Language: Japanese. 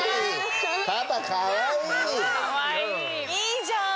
いいじゃん！